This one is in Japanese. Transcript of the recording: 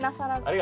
あ